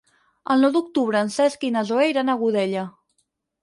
El nou d'octubre en Cesc i na Zoè iran a Godella.